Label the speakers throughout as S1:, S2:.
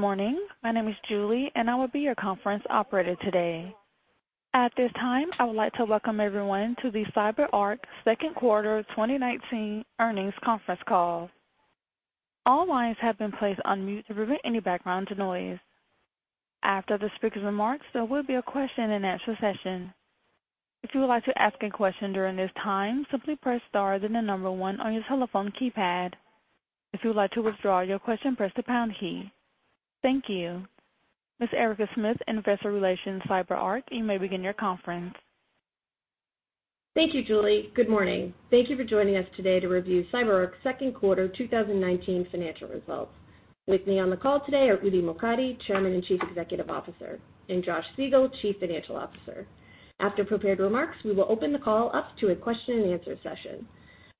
S1: Morning. My name is Julie. I will be your conference operator today. At this time, I would like to welcome everyone to the CyberArk second quarter 2019 earnings conference call. All lines have been placed on mute to prevent any background noise. After the speaker's remarks, there will be a question and answer session. If you would like to ask a question during this time, simply press star, then the number one on your telephone keypad. If you would like to withdraw your question, press the pound key. Thank you. Ms. Erica Smith, investor relations, CyberArk, you may begin your conference.
S2: Thank you, Julie. Good morning. Thank you for joining us today to review CyberArk's second quarter 2019 financial results. With me on the call today are Udi Mokady, Chairman and Chief Executive Officer, and Josh Siegel, Chief Financial Officer. After prepared remarks, we will open the call up to a question and answer session.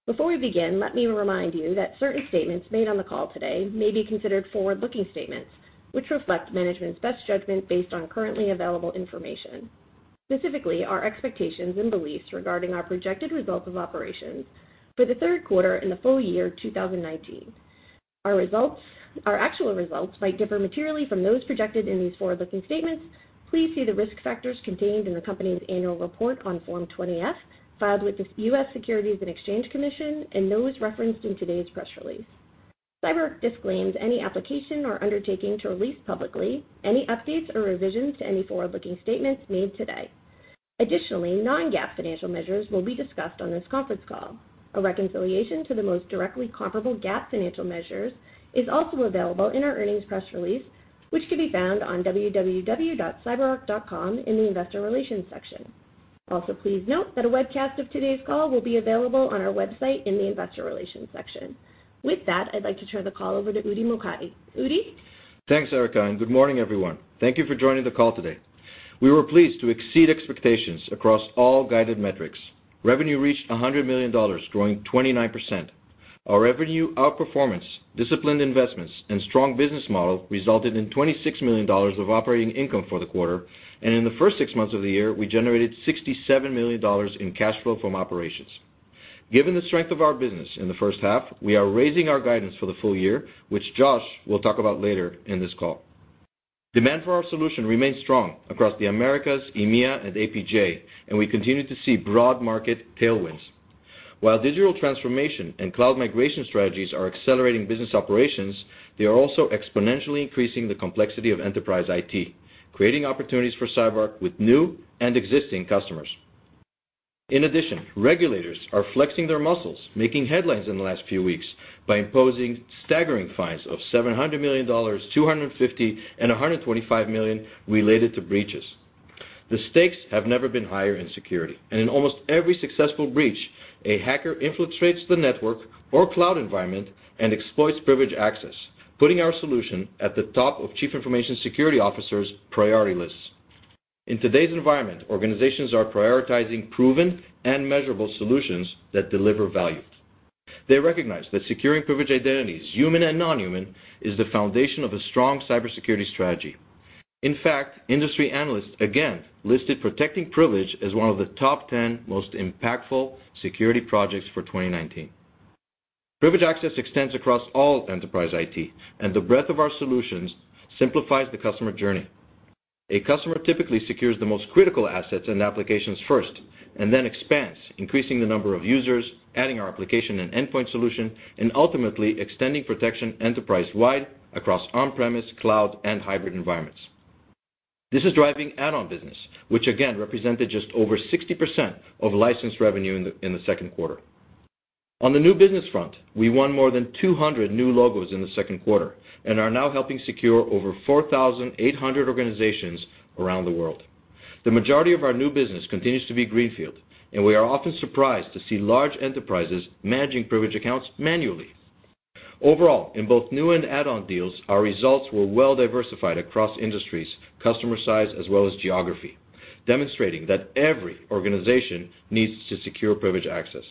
S2: Before we begin, let me remind you that certain statements made on the call today may be considered forward-looking statements, which reflect management's best judgment based on currently available information. Specifically, our expectations and beliefs regarding our projected results of operations for the third quarter and the full year 2019. Our actual results might differ materially from those projected in these forward-looking statements. Please see the risk factors contained in the company's annual report on Form 20-F, filed with the U.S. Securities and Exchange Commission, and those referenced in today's press release. CyberArk disclaims any application or undertaking to release publicly any updates or revisions to any forward-looking statements made today. Additionally, non-GAAP financial measures will be discussed on this conference call. A reconciliation to the most directly comparable GAAP financial measures is also available in our earnings press release, which can be found on cyberark.com in the investor relations section. Also, please note that a webcast of today's call will be available on our website in the investor relations section. With that, I'd like to turn the call over to Udi Mokady. Udi?
S3: Thanks, Erica. Good morning, everyone. Thank you for joining the call today. We were pleased to exceed expectations across all guided metrics. Revenue reached $100 million, growing 29%. Our revenue outperformance, disciplined investments, and strong business model resulted in $26 million of operating income for the quarter. In the first six months of the year, we generated $67 million in cash flow from operations. Given the strength of our business in the first half, we are raising our guidance for the full year, which Josh will talk about later in this call. Demand for our solution remains strong across the Americas, EMEA, and APJ, and we continue to see broad market tailwinds. While digital transformation and cloud migration strategies are accelerating business operations, they are also exponentially increasing the complexity of enterprise IT, creating opportunities for CyberArk with new and existing customers. In addition, regulators are flexing their muscles, making headlines in the last few weeks by imposing staggering fines of $700 million, $250 million, and $125 million related to breaches. The stakes have never been higher in security, in almost every successful breach, a hacker infiltrates the network or cloud environment and exploits privileged access, putting our solution at the top of Chief Information Security Officers' priority lists. In today's environment, organizations are prioritizing proven and measurable solutions that deliver value. They recognize that securing privileged identities, human and non-human, is the foundation of a strong cybersecurity strategy. In fact, industry analysts again listed protecting privilege as one of the top 10 most impactful security projects for 2019. Privileged access extends across all of enterprise IT, the breadth of our solutions simplifies the customer journey. A customer typically secures the most critical assets and applications first, and then expands, increasing the number of users, adding our application and endpoint solution, and ultimately extending protection enterprise-wide across on-premise, cloud, and hybrid environments. This is driving add-on business, which again represented just over 60% of licensed revenue in the second quarter. On the new business front, we won more than 200 new logos in the second quarter and are now helping secure over 4,800 organizations around the world. The majority of our new business continues to be greenfield, and we are often surprised to see large enterprises managing privileged accounts manually. Overall, in both new and add-on deals, our results were well diversified across industries, customer size, as well as geography, demonstrating that every organization needs to secure privileged access.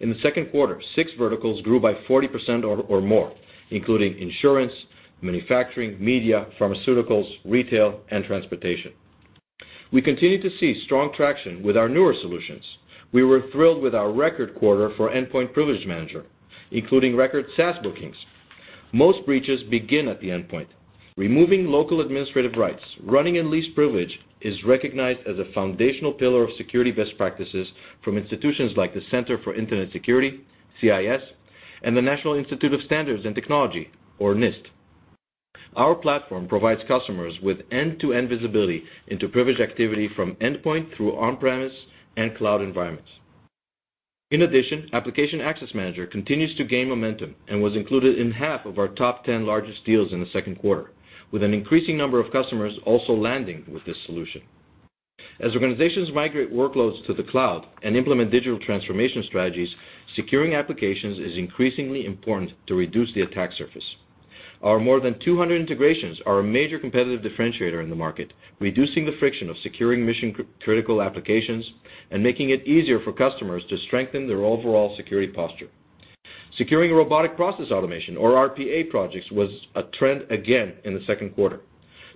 S3: In the second quarter, six verticals grew by 40% or more, including insurance, manufacturing, media, pharmaceuticals, retail, and transportation. We continue to see strong traction with our newer solutions. We were thrilled with our record quarter for Endpoint Privilege Manager, including record SaaS bookings. Most breaches begin at the endpoint. Removing local administrative rights, running in least privilege is recognized as a foundational pillar of security best practices from institutions like the Center for Internet Security, CIS, and the National Institute of Standards and Technology, or NIST. Our platform provides customers with end-to-end visibility into privileged activity from endpoint through on-premise and cloud environments. In addition, Application Access Manager continues to gain momentum and was included in half of our top 10 largest deals in the second quarter, with an increasing number of customers also landing with this solution. As organizations migrate workloads to the cloud and implement digital transformation strategies, securing applications is increasingly important to reduce the attack surface. Our more than 200 integrations are a major competitive differentiator in the market, reducing the friction of securing mission-critical applications and making it easier for customers to strengthen their overall security posture. Securing robotic process automation or RPA projects was a trend again in the second quarter.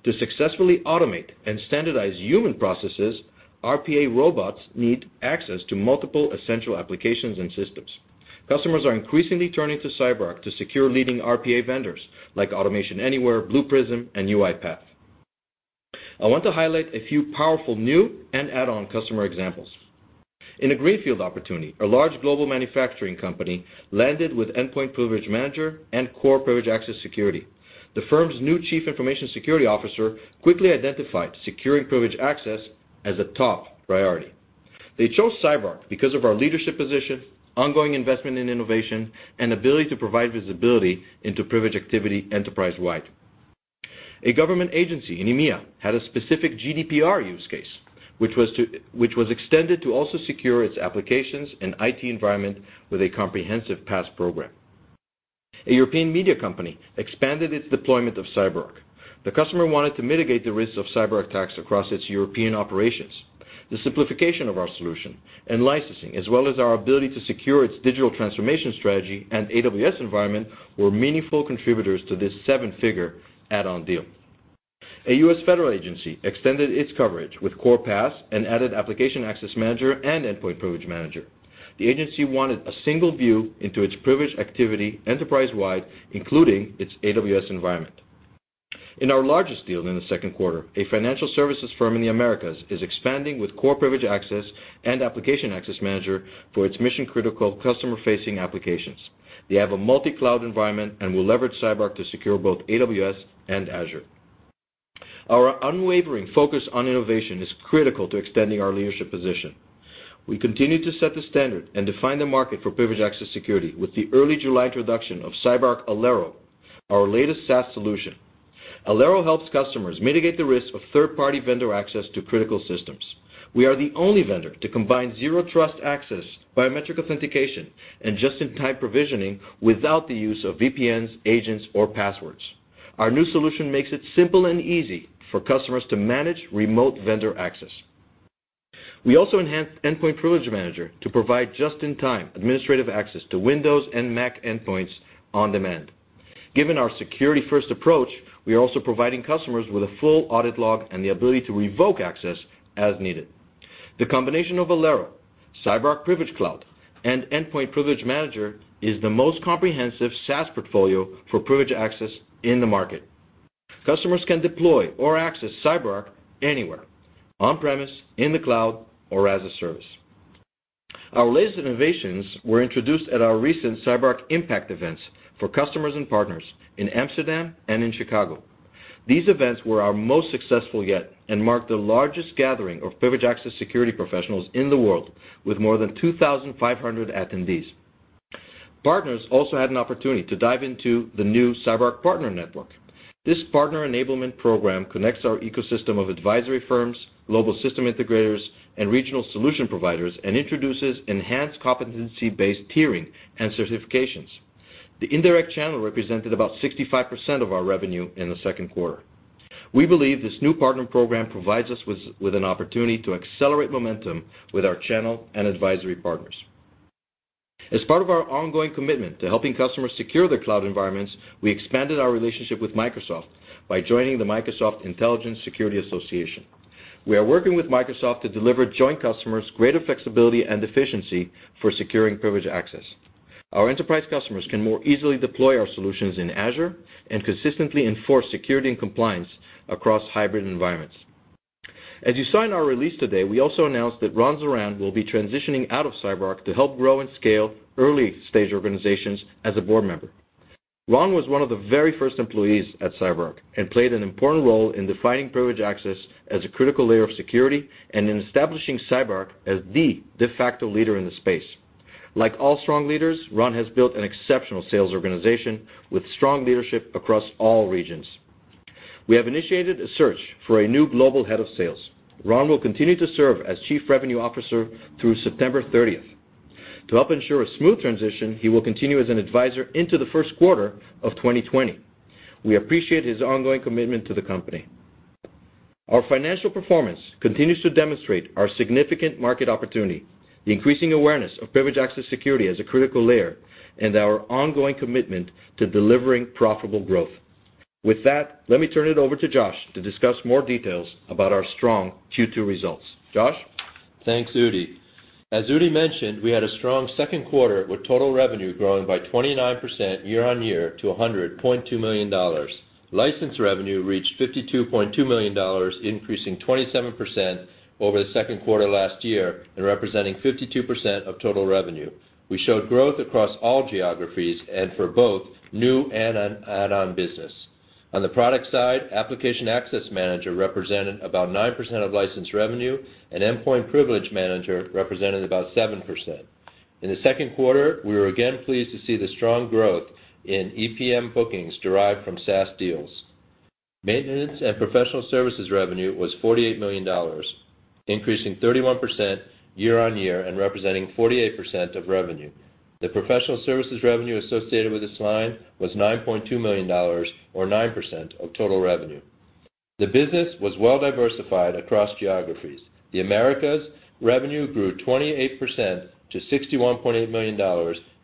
S3: To successfully automate and standardize human processes, RPA robots need access to multiple essential applications and systems. Customers are increasingly turning to CyberArk to secure leading RPA vendors like Automation Anywhere, Blue Prism, and UiPath. I want to highlight a few powerful new and add-on customer examples. In a greenfield opportunity, a large global manufacturing company landed with Endpoint Privilege Manager and Core Privileged Access Security. The firm's new Chief Information Security Officer quickly identified securing privilege access as a top priority. They chose CyberArk because of our leadership position, ongoing investment in innovation, and ability to provide visibility into privilege activity enterprise-wide. A government agency in EMEA had a specific GDPR use case, which was extended to also secure its applications and IT environment with a comprehensive PAS program. A European media company expanded its deployment of CyberArk. The customer wanted to mitigate the risk of cyberattacks across its European operations. The simplification of our solution and licensing, as well as our ability to secure its digital transformation strategy and AWS environment, were meaningful contributors to this $7-figure add-on deal. A U.S. federal agency extended its coverage with Core PAS and added Application Access Manager and Endpoint Privilege Manager. The agency wanted a single view into its privilege activity enterprise-wide, including its AWS environment. In our largest deal in the second quarter, a financial services firm in the Americas is expanding with Core Privileged Access and Application Access Manager for its mission-critical customer-facing applications. They have a multi-cloud environment and will leverage CyberArk to secure both AWS and Azure. Our unwavering focus on innovation is critical to extending our leadership position. We continue to set the standard and define the market for privileged access security with the early July introduction of CyberArk Alero, our latest SaaS solution. Alero helps customers mitigate the risk of third-party vendor access to critical systems. We are the only vendor to combine Zero Trust access, biometric authentication, and just-in-time provisioning without the use of VPNs, agents, or passwords. Our new solution makes it simple and easy for customers to manage remote vendor access. We also enhanced Endpoint Privilege Manager to provide just-in-time administrative access to Windows and Mac endpoints on demand. Given our security-first approach, we are also providing customers with a full audit log and the ability to revoke access as needed. The combination of Alero, CyberArk Privilege Cloud, and Endpoint Privilege Manager is the most comprehensive SaaS portfolio for privilege access in the market. Customers can deploy or access CyberArk anywhere: on-premise, in the cloud, or as a service. Our latest innovations were introduced at our recent CyberArk IMPACT events for customers and partners in Amsterdam and in Chicago. These events were our most successful yet and marked the largest gathering of privilege access security professionals in the world, with more than 2,500 attendees. Partners also had an opportunity to dive into the new CyberArk Partner Network. This partner enablement program connects our ecosystem of advisory firms, global system integrators, and regional solution providers and introduces enhanced competency-based tiering and certifications. The indirect channel represented about 65% of our revenue in the second quarter. We believe this new partner program provides us with an opportunity to accelerate momentum with our channel and advisory partners. As part of our ongoing commitment to helping customers secure their cloud environments, we expanded our relationship with Microsoft by joining the Microsoft Intelligent Security Association. We are working with Microsoft to deliver joint customers greater flexibility and efficiency for securing privileged access. Our enterprise customers can more easily deploy our solutions in Azure and consistently enforce security and compliance across hybrid environments. As you saw in our release today, we also announced that Ron Zoran will be transitioning out of CyberArk to help grow and scale early-stage organizations as a board member. Ron was one of the very first employees at CyberArk and played an important role in defining Privileged Access as a critical layer of security and in establishing CyberArk as the de facto leader in the space. Like all strong leaders, Ron has built an exceptional sales organization with strong leadership across all regions. We have initiated a search for a new global head of sales. Ron will continue to serve as Chief Revenue Officer through September 30th. To help ensure a smooth transition, he will continue as an advisor into the first quarter of 2020. We appreciate his ongoing commitment to the company. Our financial performance continues to demonstrate our significant market opportunity, the increasing awareness of Privileged Access Security as a critical layer, and our ongoing commitment to delivering profitable growth. With that, let me turn it over to Josh to discuss more details about our strong Q2 results. Josh?
S4: Thanks, Udi. As Udi mentioned, we had a strong second quarter with total revenue growing by 29% year-on-year to $100.2 million. License revenue reached $52.2 million, increasing 27% over the second quarter last year and representing 52% of total revenue. We showed growth across all geographies and for both new and add-on business. On the product side, Application Access Manager represented about 9% of license revenue, and Endpoint Privilege Manager represented about 7%. In the second quarter, we were again pleased to see the strong growth in EPM bookings derived from SaaS deals. Maintenance and professional services revenue was $48 million, increasing 31% year-on-year and representing 48% of revenue. The professional services revenue associated with this line was $9.2 million, or 9% of total revenue. The business was well diversified across geographies. The Americas revenue grew 28% to $61.8 million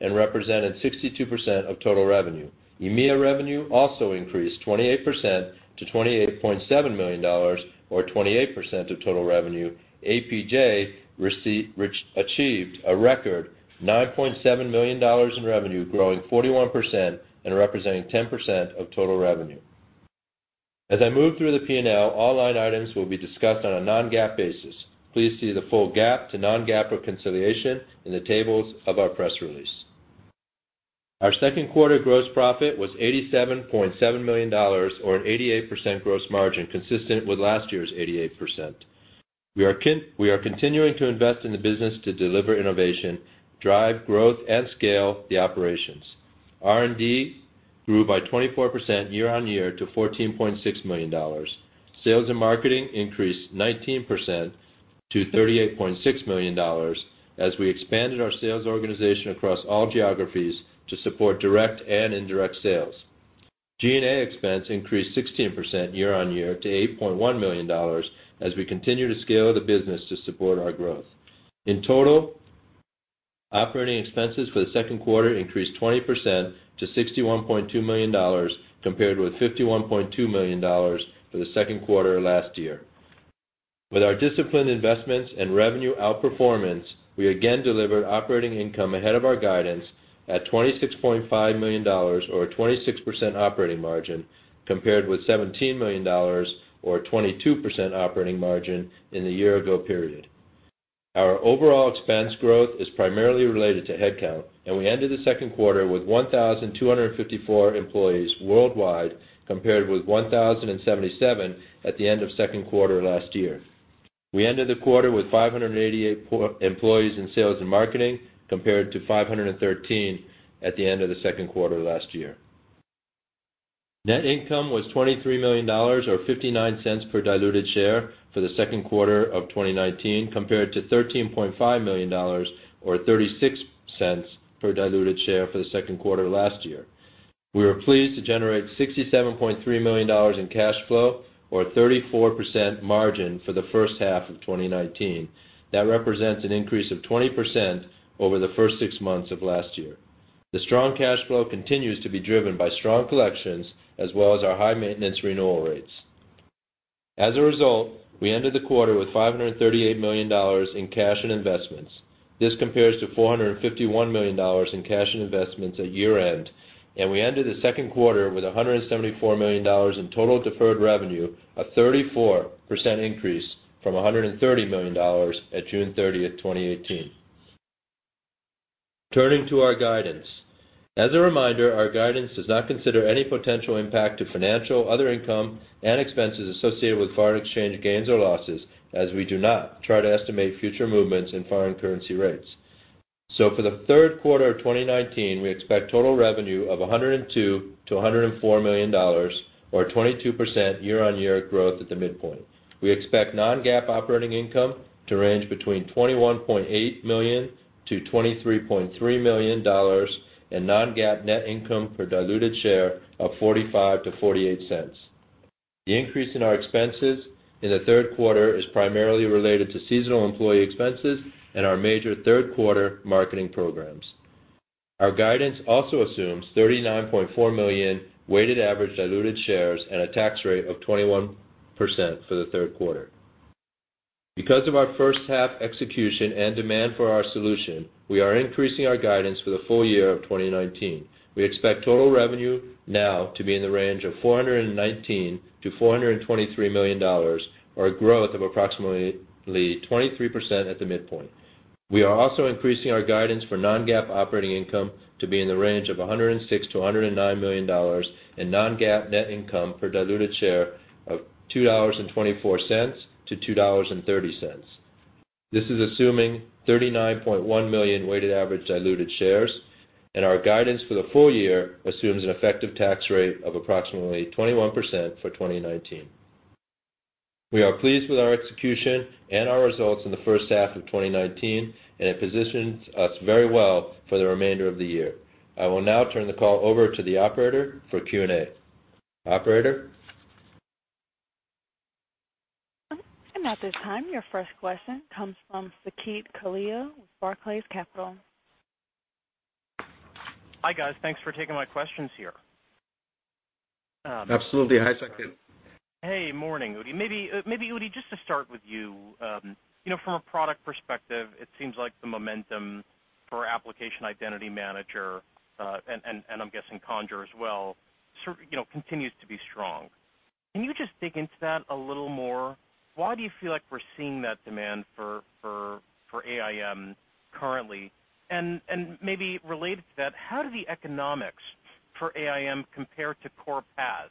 S4: and represented 62% of total revenue. EMEA revenue also increased 28% to $28.7 million, or 28% of total revenue. APJ achieved a record $9.7 million in revenue, growing 41% and representing 10% of total revenue. As I move through the P&L, all line items will be discussed on a non-GAAP basis. Please see the full GAAP to non-GAAP reconciliation in the tables of our press release. Our second quarter gross profit was $87.7 million, or an 88% gross margin, consistent with last year's 88%. We are continuing to invest in the business to deliver innovation, drive growth, and scale the operations. R&D grew by 24% year-on-year to $14.6 million. Sales and marketing increased 19% to $38.6 million as we expanded our sales organization across all geographies to support direct and indirect sales. G&A expense increased 16% year-on-year to $8.1 million as we continue to scale the business to support our growth. In total, operating expenses for the second quarter increased 20% to $61.2 million, compared with $51.2 million for the second quarter last year. With our disciplined investments and revenue outperformance, we again delivered operating income ahead of our guidance at $26.5 million or a 26% operating margin, compared with $17 million or a 22% operating margin in the year ago period. Our overall expense growth is primarily related to headcount, we ended the second quarter with 1,254 employees worldwide, compared with 1,077 at the end of second quarter last year. We ended the quarter with 588 employees in sales and marketing, compared to 513 at the end of the second quarter last year. Net income was $23 million, or $0.59 per diluted share for the second quarter of 2019, compared to $13.5 million or $0.36 per diluted share for the second quarter last year. We were pleased to generate $67.3 million in cash flow or a 34% margin for the first half of 2019. That represents an increase of 20% over the first six months of last year. The strong cash flow continues to be driven by strong collections as well as our high maintenance renewal rates. As a result, we ended the quarter with $538 million in cash and investments. This compares to $451 million in cash and investments at year-end, and we ended the second quarter with $174 million in total deferred revenue, a 34% increase from $130 million at June 30th, 2018. Turning to our guidance. As a reminder, our guidance does not consider any potential impact to financial, other income, and expenses associated with foreign exchange gains or losses, as we do not try to estimate future movements in foreign currency rates. For the third quarter of 2019, we expect total revenue of $102 million to $104 million, or a 22% year-on-year growth at the midpoint. We expect non-GAAP operating income to range between $21.8 million to $23.3 million and non-GAAP net income per diluted share of $0.45 to $0.48. The increase in our expenses in the third quarter is primarily related to seasonal employee expenses and our major third-quarter marketing programs. Our guidance also assumes 39.4 million weighted average diluted shares and a tax rate of 21% for the third quarter. Because of our first half execution and demand for our solution, we are increasing our guidance for the full year of 2019. We expect total revenue now to be in the range of $419 million to $423 million, or a growth of approximately 23% at the midpoint. We are also increasing our guidance for non-GAAP operating income to be in the range of $106 million-$109 million and non-GAAP net income per diluted share of $2.24-$2.30. This is assuming 39.1 million weighted average diluted shares, and our guidance for the full year assumes an effective tax rate of approximately 21% for 2019. We are pleased with our execution and our results in the first half of 2019, and it positions us very well for the remainder of the year. I will now turn the call over to the operator for Q&A. Operator?
S1: At this time, your first question comes from Saket Kalia with Barclays Capital.
S5: Hi, guys. Thanks for taking my questions here.
S4: Absolutely. Hi, Saket.
S5: Hey. Morning, Udi. Maybe, Udi, just to start with you. From a product perspective, it seems like the momentum for Application Identity Manager, and I'm guessing Conjur as well, continues to be strong. Can you just dig into that a little more? Why do you feel like we're seeing that demand for AIM currently? Maybe related to that, how do the economics for AIM compare to Core PAS,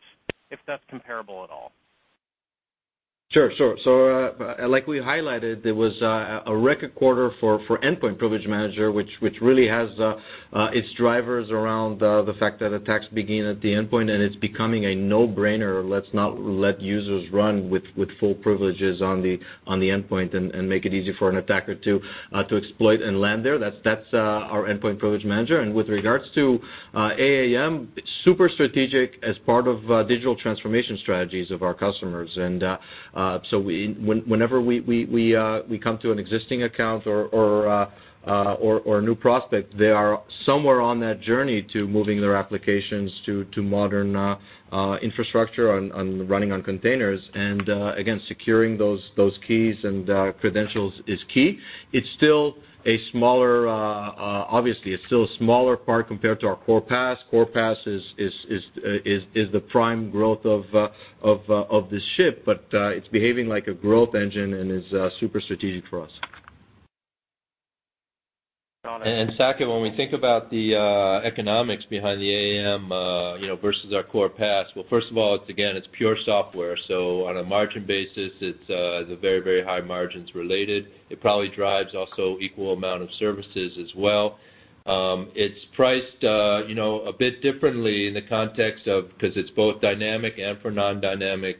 S5: if that's comparable at all?
S3: Sure. Like we highlighted, it was a record quarter for Endpoint Privilege Manager, which really has its drivers around the fact that attacks begin at the endpoint, and it's becoming a no-brainer. Let's not let users run with full privileges on the endpoint and make it easy for an attacker to exploit and land there. That's our Endpoint Privilege Manager. With regards to AAM, super strategic as part of digital transformation strategies of our customers. Whenever we come to an existing account or. or a new prospect, they are somewhere on that journey to moving their applications to modern infrastructure and running on containers. Again, securing those keys and credentials is key. Obviously, it's still a smaller part compared to our Core PAS. Core PAS is the prime growth of this ship, but it's behaving like a growth engine and is super strategic for us.
S4: Saket, when we think about the economics behind the AAM versus our Core PAS, first of all, again, it's pure software, on a margin basis, it's very, very high margins related. It probably drives also equal amount of services as well. It's priced a bit differently in the context of, because it's both dynamic and for non-dynamic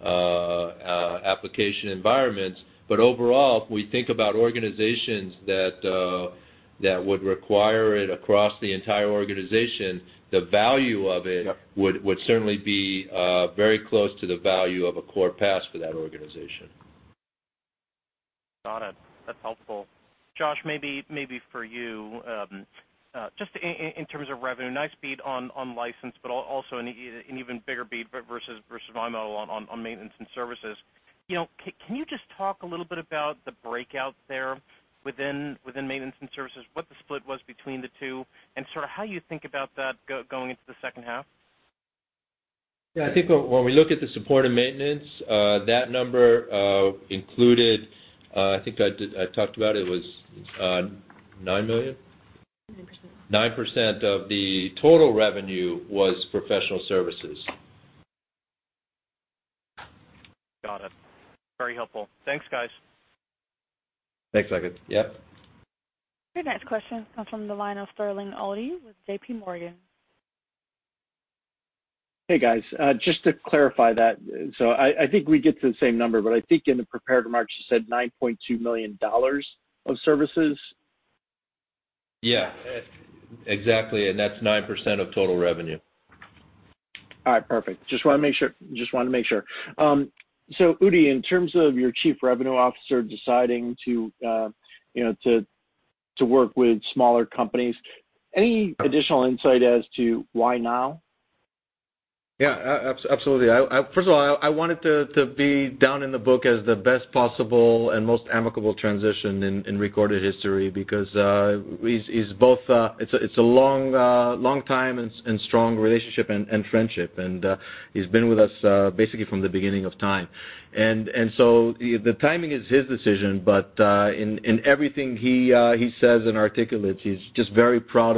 S4: application environments. Overall, if we think about organizations that would require it across the entire organization, the value of it. Yep
S3: would certainly be very close to the value of a Core PAS for that organization.
S5: Got it. That's helpful. Josh, maybe for you, just in terms of revenue, nice beat on license, but also an even bigger beat versus VMO on maintenance and services. Can you just talk a little bit about the breakout there within maintenance and services, what the split was between the two, and sort of how you think about that going into the second half?
S4: Yeah, I think when we look at the support and maintenance, that number included, I think I talked about it, was $9 million?
S2: 9%.
S4: 9% of the total revenue was professional services.
S5: Got it. Very helpful. Thanks, guys.
S4: Thanks, Saket. Yep.
S1: Your next question comes from the line of Sterling Auty with J.P. Morgan.
S6: Hey, guys. Just to clarify that, so I think we get to the same number, but I think in the prepared remarks, you said $9.2 million of services.
S4: Yeah. Exactly. That's 9% of total revenue.
S6: All right, perfect. Just wanted to make sure. Udi, in terms of your Chief Revenue Officer deciding to work with smaller companies, any additional insight as to why now?
S3: Yeah. Absolutely. First of all, I want it to be down in the book as the best possible and most amicable transition in recorded history, because it's a long time and strong relationship and friendship, and he's been with us basically from the beginning of time. The timing is his decision, but in everything he says and articulates, he's just very proud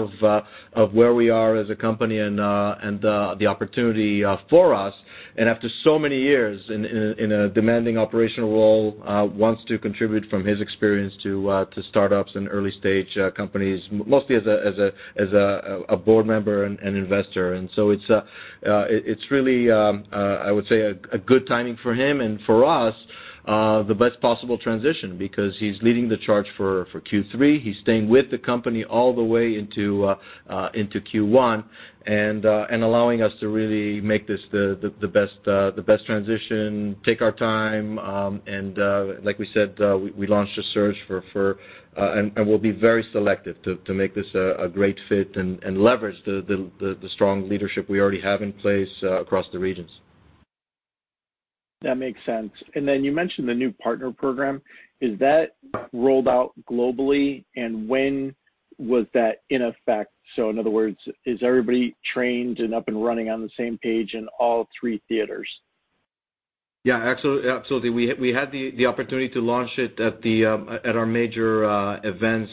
S3: of where we are as a company and the opportunity for us, and after so many years in a demanding operational role, wants to contribute from his experience to startups and early-stage companies, mostly as a board member and investor. It's really, I would say, a good timing for him, and for us, the best possible transition, because he's leading the charge for Q3. He's staying with the company all the way into Q1, and allowing us to really make this the best transition, take our time, and like we said, we launched a search for, and will be very selective to make this a great fit and leverage the strong leadership we already have in place across the regions.
S6: That makes sense. You mentioned the new partner program. Is that rolled out globally, and when was that in effect? In other words, is everybody trained and up and running on the same page in all three theaters?
S3: Yeah. Absolutely. We had the opportunity to launch it at our major events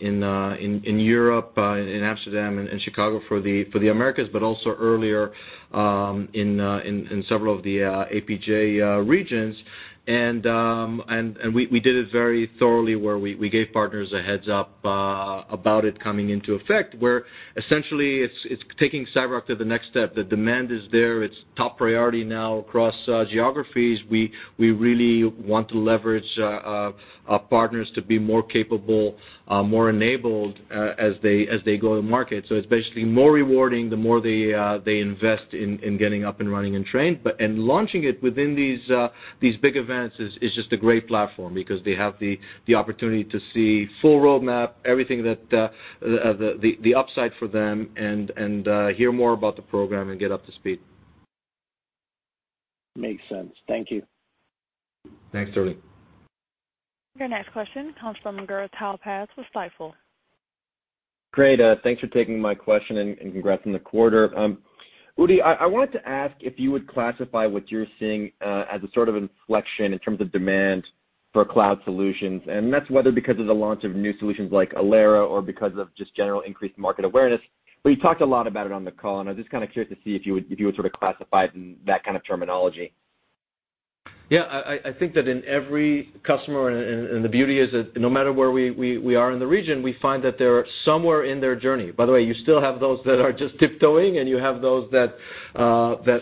S3: in Europe, in Amsterdam and Chicago for the Americas, also earlier in several of the APJ regions. We did it very thoroughly, where we gave partners a heads-up about it coming into effect, where essentially it's taking CyberArk to the next step. The demand is there. It's top priority now across geographies. We really want to leverage our partners to be more capable, more enabled as they go to market. It's basically more rewarding the more they invest in getting up and running and trained. Launching it within these big events is just a great platform because they have the opportunity to see full roadmap, everything that the upside for them, and hear more about the program and get up to speed.
S6: Makes sense. Thank you.
S3: Thanks, Sterling.
S1: Your next question comes from Gur Talpaz with Stifel.
S7: Great. Thanks for taking my question, and congrats on the quarter. Udi, I wanted to ask if you would classify what you're seeing as a sort of inflection in terms of demand for cloud solutions, and that's whether because of the launch of new solutions like Alero or because of just general increased market awareness. You talked a lot about it on the call, and I'm just kind of curious to see if you would sort of classify it in that kind of terminology.
S3: Yeah. I think that in every customer, the beauty is that no matter where we are in the region, we find that they are somewhere in their journey. By the way, you still have those that are just tiptoeing, you have those that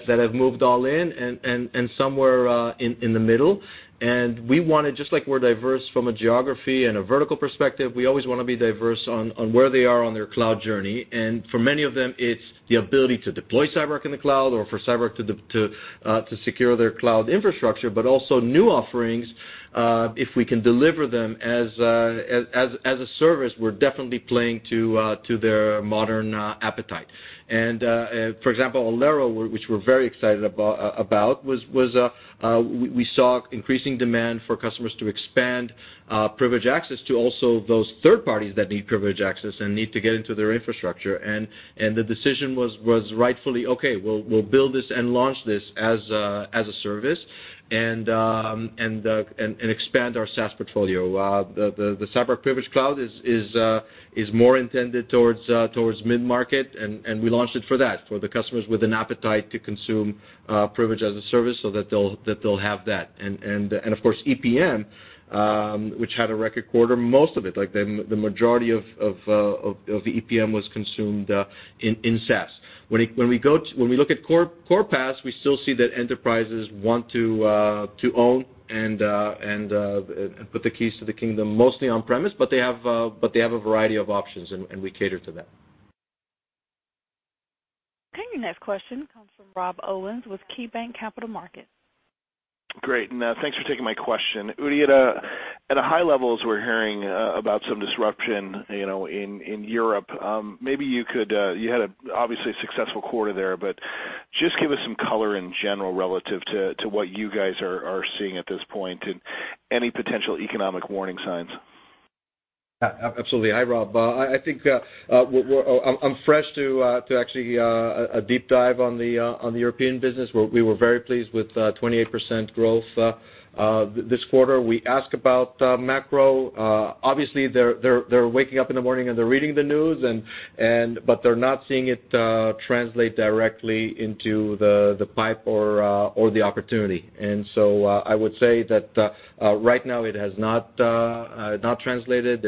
S3: have moved all in and some were in the middle. We want to, just like we're diverse from a geography and a vertical perspective, we always want to be diverse on where they are on their cloud journey. For many of them, it's the ability to deploy CyberArk in the cloud or for CyberArk to secure their cloud infrastructure, but also new offerings. If we can deliver them as a service, we're definitely playing to their modern appetite. For example, Alero, which we're very excited about, we saw increasing demand for customers to expand privileged access to also those third parties that need privileged access and need to get into their infrastructure, and the decision was rightfully, okay, we'll build this and launch this as a service and expand our SaaS portfolio. The CyberArk Privilege Cloud is more intended towards mid-market, and we launched it for that, for the customers with an appetite to consume privilege as a service so that they'll have that. Of course, EPM, which had a record quarter, most of it, like the majority of the EPM was consumed in SaaS. When we look at Core PAS, we still see that enterprises want to own and put the keys to the kingdom mostly on premise, but they have a variety of options, and we cater to that.
S1: Okay. Next question comes from Rob Owens with KeyBanc Capital Markets.
S8: Great. Thanks for taking my question. Udi, at a high level, as we're hearing about some disruption in Europe, you had obviously a successful quarter there, but just give us some color in general relative to what you guys are seeing at this point and any potential economic warning signs.
S3: Absolutely. Hi, Rob. I'm fresh to actually a deep dive on the European business. We were very pleased with 28% growth this quarter. We ask about macro. Obviously they're waking up in the morning, and they're reading the news, but they're not seeing it translate directly into the pipe or the opportunity. I would say that right now it has not translated.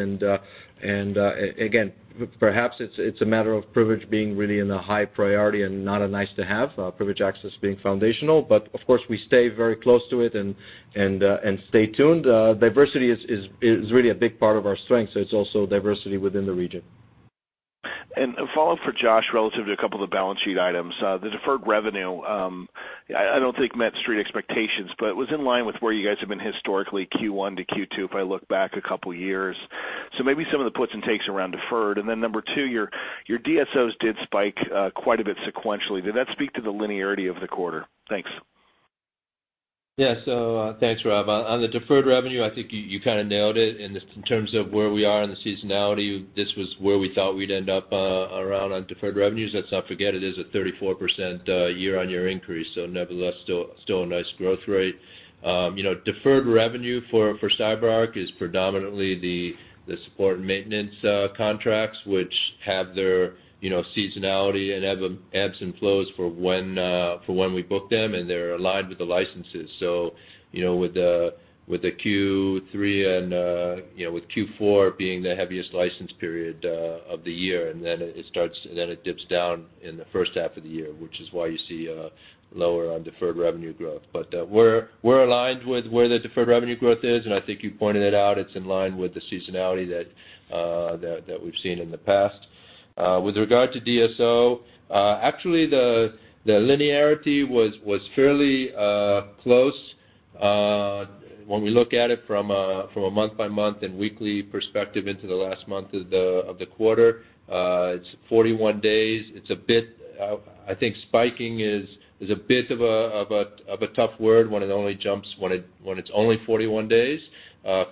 S3: Again, perhaps it's a matter of privilege being really in a high priority and not a nice to have, Privileged Access being foundational. Of course, we stay very close to it and stay tuned. Diversity is really a big part of our strength, so it's also diversity within the region.
S8: A follow-up for Josh, relative to a couple of the balance sheet items. The deferred revenue, I don't think met street expectations, but was in line with where you guys have been historically, Q1 to Q2, if I look back a couple of years. Maybe some of the puts and takes around deferred. Number two, your DSOs did spike quite a bit sequentially. Did that speak to the linearity of the quarter? Thanks.
S4: Thanks, Rob. On the deferred revenue, I think you kind of nailed it in terms of where we are in the seasonality. This was where we thought we'd end up around on deferred revenues. Let's not forget it is a 34% year-on-year increase, nevertheless, still a nice growth rate. Deferred revenue for CyberArk is predominantly the support and maintenance contracts, which have their seasonality and ebbs and flows for when we book them, they're aligned with the licenses. With the Q3 and with Q4 being the heaviest license period of the year, then it dips down in the first half of the year, which is why you see lower on deferred revenue growth. We're aligned with where the deferred revenue growth is, I think you pointed it out, it's in line with the seasonality that we've seen in the past. With regard to DSO, actually the linearity was fairly close when we look at it from a month-by-month and weekly perspective into the last month of the quarter. It's 41 days. I think spiking is a bit of a tough word when it's only 41 days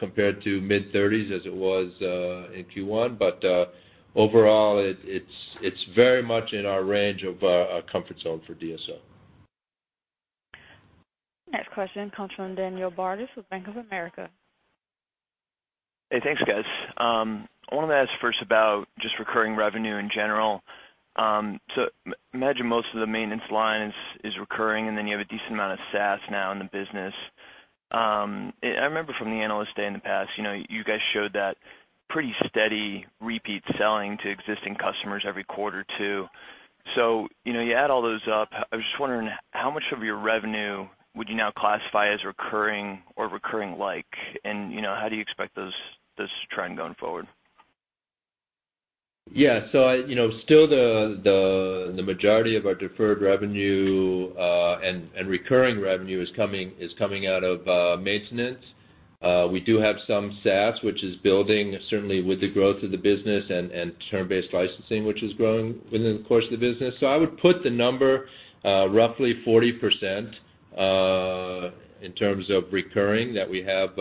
S4: compared to mid-30s as it was in Q1. Overall, it's very much in our range of our comfort zone for DSO.
S1: Next question comes from Daniel Bartus with Bank of America.
S9: Hey, thanks, guys. I want to ask first about just recurring revenue in general. Imagine most of the maintenance line is recurring, and then you have a decent amount of SaaS now in the business. I remember from the Analyst Day in the past, you guys showed that pretty steady repeat selling to existing customers every quarter, too. You add all those up. I was just wondering, how much of your revenue would you now classify as recurring or recurring like, and how do you expect this trend going forward?
S3: Yeah. Still the majority of our deferred revenue and recurring revenue is coming out of maintenance. We do have some SaaS, which is building certainly with the growth of the business and term-based licensing, which is growing within the course of the business. I would put the number roughly 40% in terms of recurring that we have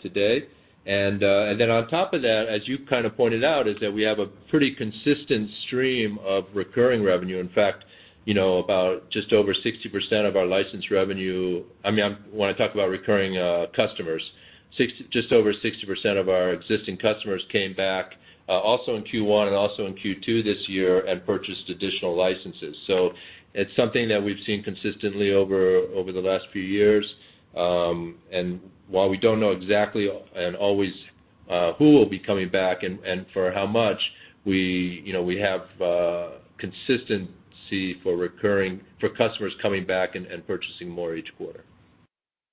S3: today. On top of that, as you kind of pointed out, is that we have a pretty consistent stream of recurring revenue. In fact, about just over 60% of our license revenue, when I talk about recurring customers, just over 60% of our existing customers came back also in Q1 and also in Q2 this year and purchased additional licenses. It's something that we've seen consistently over the last few years. While we don't know exactly and always who will be coming back and for how much, we have consistency for customers coming back and purchasing more each quarter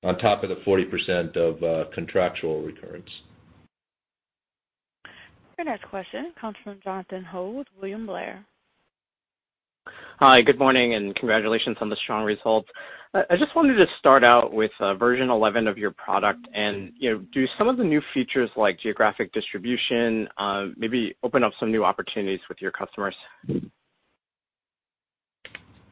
S3: on top of the 40% of contractual recurrence.
S1: Our next question comes from Jonathan Ho with William Blair.
S10: Hi, good morning. Congratulations on the strong results. I just wanted to start out with version 11 of your product and do some of the new features like geographic distribution, maybe open up some new opportunities with your customers?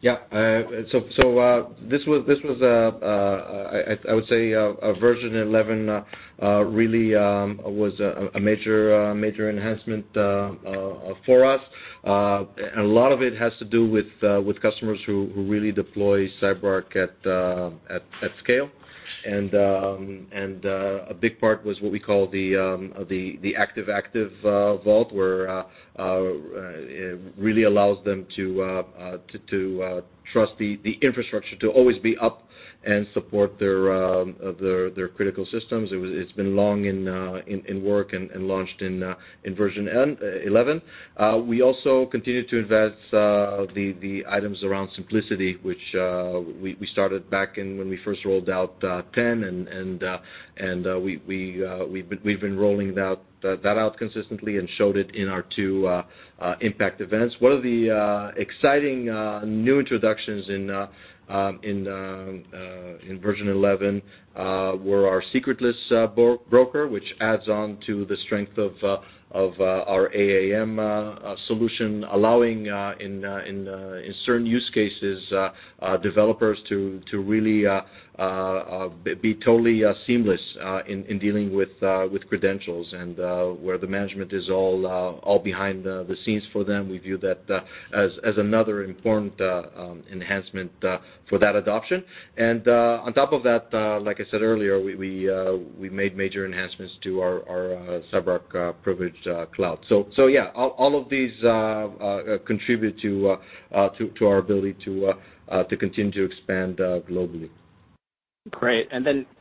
S3: Yeah. I would say version 11 really was a major enhancement for us. A lot of it has to do with customers who really deploy CyberArk at scale. A big part was what we call the active-active vault where it really allows them to trust the infrastructure to always be up and support their critical systems. It's been long in work and launched in version 11. We also continue to invest the items around simplicity, which we started back when we first rolled out 10, and we've been rolling that out consistently and showed it in our two IMPACT events. One of the exciting new introductions in version 11 were our Secretless Broker, which adds on to the strength of our AAM solution, allowing, in certain use cases, developers to really be totally seamless in dealing with credentials and where the management is all behind the scenes for them. We view that as another important enhancement for that adoption. On top of that, like I said earlier, we made major enhancements to our CyberArk Privilege Cloud. Yeah, all of these contribute to our ability to continue to expand globally.
S10: Great.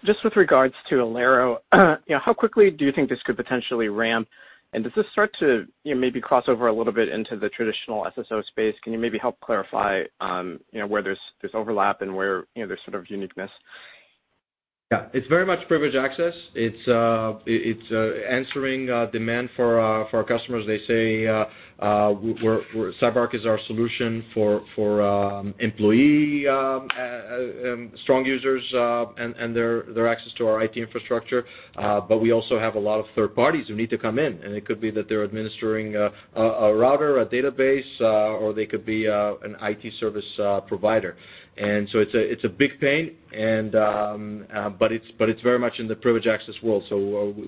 S10: Just with regards to Alero, how quickly do you think this could potentially ramp? Does this start to maybe cross over a little bit into the traditional SSO space? Can you maybe help clarify where there's this overlap and where there's sort of uniqueness?
S3: It's very much Privileged Access. It's answering demand for our customers. They say CyberArk is our solution for employee strong users and their access to our IT infrastructure. We also have a lot of third parties who need to come in, and it could be that they're administering a router, a database, or they could be an IT service provider. It's a big pain, but it's very much in the Privileged Access world.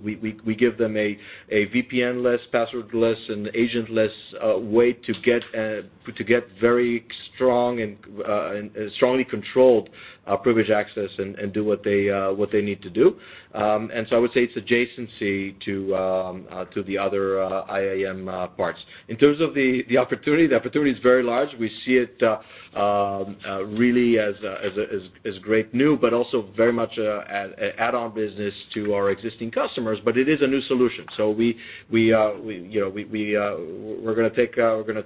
S3: We give them a VPN-less, passwordless, and agentless way to get very strong and strongly controlled Privileged Access and do what they need to do. I would say it's adjacency to the other IAM parts. In terms of the opportunity, the opportunity is very large. We see it really as great new, but also very much an add-on business to our existing customers. It is a new solution. We're going to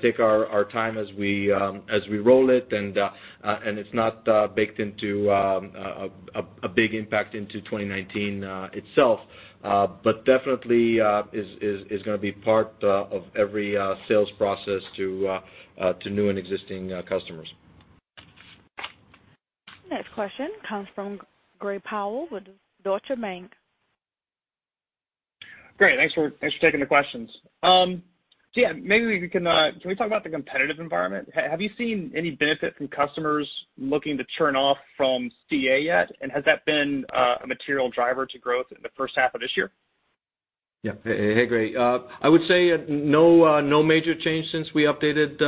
S3: take our time as we roll it, and it's not baked into a big impact into 2019 itself. Definitely is going to be part of every sales process to new and existing customers.
S1: Next question comes from Gray Powell with Deutsche Bank.
S11: Great. Thanks for taking the questions. Yeah, can we talk about the competitive environment? Have you seen any benefit from customers looking to churn off from CA yet? Has that been a material driver to growth in the first half of this year?
S3: Hey, Gray. I would say no major change since we updated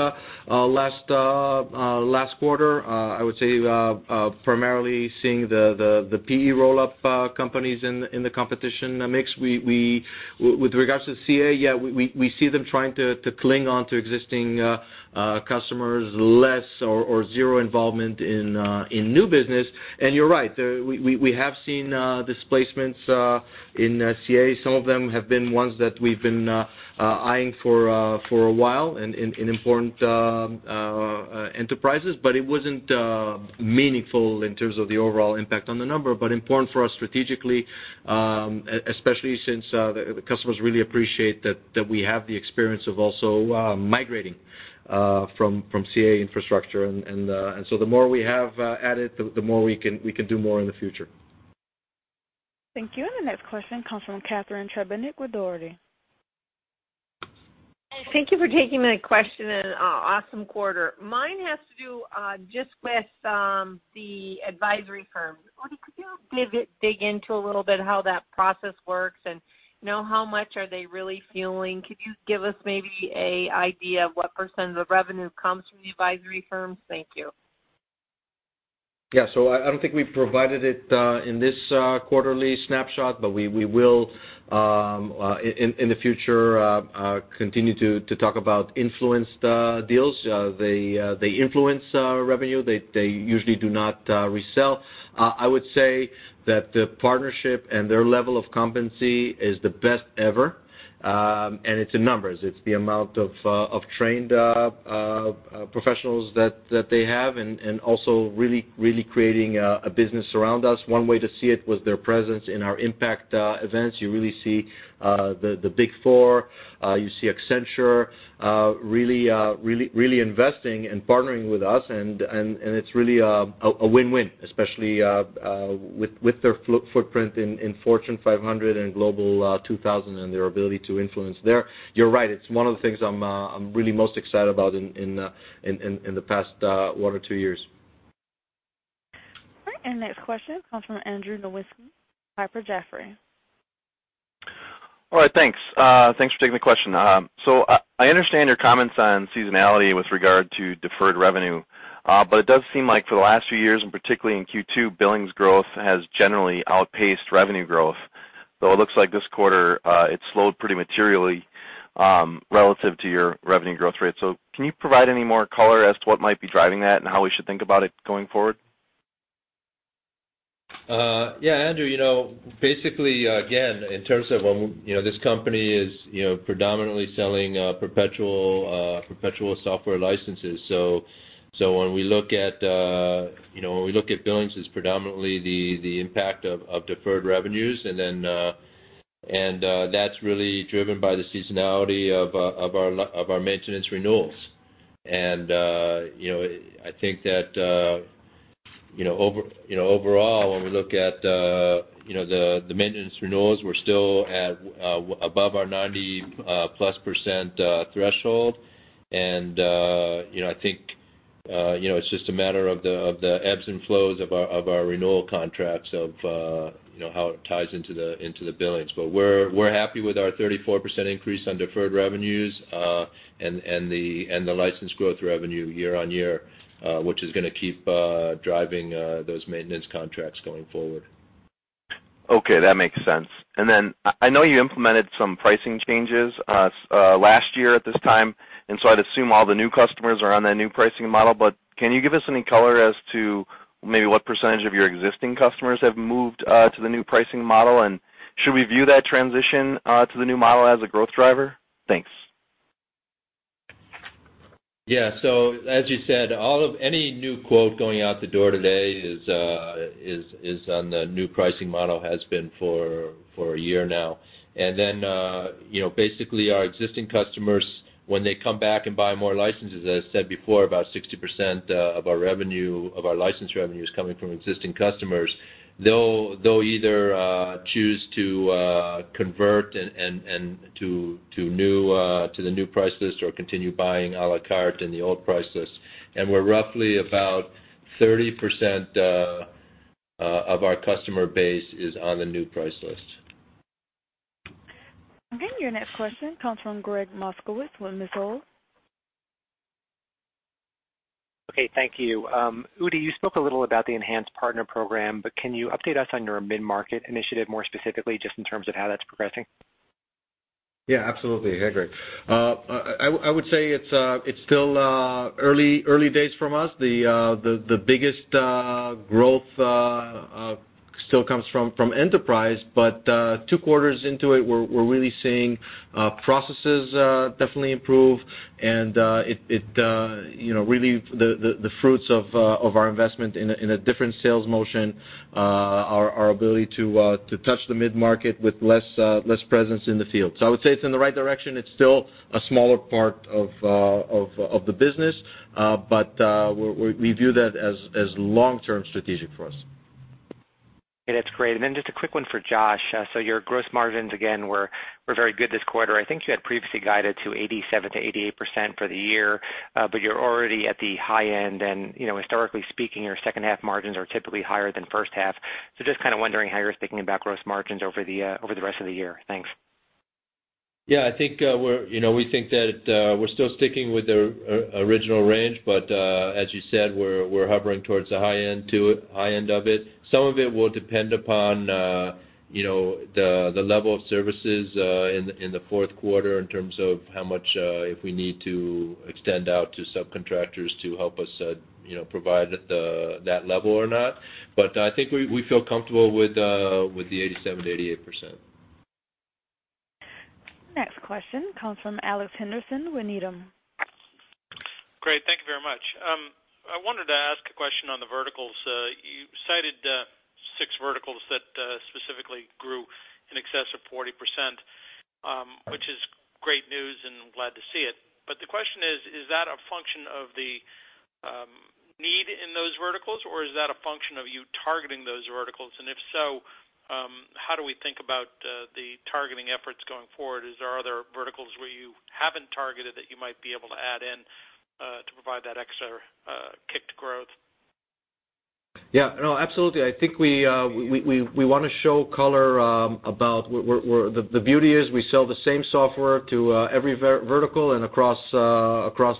S3: last quarter. I would say primarily seeing the PE roll-up companies in the competition mix. With regards to CA, we see them trying to cling onto existing customers, less or zero involvement in new business. You're right, we have seen displacements in CA. Some of them have been ones that we've been eyeing for a while in important enterprises, but it wasn't meaningful in terms of the overall impact on the number. Important for us strategically, especially since the customers really appreciate that we have the experience of also migrating from CA infrastructure, the more we have added, we can do more in the future.
S1: Thank you. The next question comes from Catharine Trebnick with Dougherty.
S12: Thank you for taking my question. Awesome quarter. Mine has to do just with the advisory firms. Could you dig into a little bit how that process works, and how much are they really fueling? Could you give us maybe an idea of what percent of the revenue comes from the advisory firms? Thank you.
S3: Yeah. I don't think we provided it in this quarterly snapshot, but we will In the future, continue to talk about influenced deals. They influence our revenue. They usually do not resell. I would say that the partnership and their level of competency is the best ever, and it's in numbers. It's the amount of trained professionals that they have and also really creating a business around us. One way to see it was their presence in our IMPACT events. You really see the Big Four, you see Accenture really investing and partnering with us and it's really a win-win, especially with their footprint in Fortune 500 and Global 2000 and their ability to influence there. You're right. It's one of the things I'm really most excited about in the past one or two years.
S1: All right. Next question comes from Andrew Nowinski, Piper Jaffray.
S13: All right, thanks. Thanks for taking the question. I understand your comments on seasonality with regard to deferred revenue, but it does seem like for the last few years, and particularly in Q2, billings growth has generally outpaced revenue growth, though it looks like this quarter, it slowed pretty materially, relative to your revenue growth rate. Can you provide any more color as to what might be driving that and how we should think about it going forward?
S4: Andrew, basically, again, in terms of when this company is predominantly selling perpetual software licenses. When we look at billings, it's predominantly the impact of deferred revenues and that's really driven by the seasonality of our maintenance renewals. I think that overall, when we look at the maintenance renewals, we're still above our 90%+ threshold. I think it's just a matter of the ebbs and flows of our renewal contracts of how it ties into the billings. We're happy with our 34% increase on deferred revenues, and the license growth revenue year-over-year, which is going to keep driving those maintenance contracts going forward.
S13: Okay. That makes sense. I know you implemented some pricing changes last year at this time, so I'd assume all the new customers are on that new pricing model, but can you give us any color as to maybe what % of your existing customers have moved to the new pricing model, and should we view that transition to the new model as a growth driver? Thanks.
S4: Yeah. As you said, any new quote going out the door today is on the new pricing model, has been for a year now. Basically our existing customers, when they come back and buy more licenses, as I said before, about 60% of our license revenue is coming from existing customers. They'll either choose to convert to the new price list or continue buying à la carte in the old price list. We're roughly about 30% of our customer base is on the new price list.
S1: Okay, your next question comes from Gregg Moskowitz, Mizuho.
S14: Okay, thank you. Udi, you spoke a little about the enhanced partner program, but can you update us on your mid-market initiative more specifically, just in terms of how that's progressing?
S3: Yeah, absolutely. Hey, Gregg. I would say it's still early days from us. The biggest growth still comes from Enterprise, two quarters into it, we're really seeing processes definitely improve, and it reaped the fruits of our investment in a different sales motion, our ability to touch the mid-market with less presence in the field. I would say it's in the right direction. It's still a smaller part of the business, but we view that as long-term strategic for us.
S14: Okay, that's great. Just a quick one for Josh. Your gross margins, again, were very good this quarter. I think you had previously guided to 87%-88% for the year. You're already at the high end and historically speaking, your second half margins are typically higher than first half. Just kind of wondering how you're thinking about gross margins over the rest of the year. Thanks.
S4: Yeah, we think that we're still sticking with the original range, but, as you said, we're hovering towards the high end of it. Some of it will depend upon the level of services in the fourth quarter in terms of how much, if we need to extend out to subcontractors to help us provide that level or not. I think we feel comfortable with the 87%-88%.
S1: Next question comes from Alex Henderson, Needham.
S15: Great. Thank you very much. I wanted to ask a question on the verticals. You cited six verticals that specifically grew in excess of 40%, which is great news, and glad to see it. The question is that a function of the need in those verticals, or is that a function of you targeting those verticals? If so, how do we think about the targeting efforts going forward? Is there other verticals where you haven't targeted that you might be able to add in to provide that extra kick to growth?
S3: Yeah, no, absolutely. I think we want to show color about where the beauty is we sell the same software to every vertical and across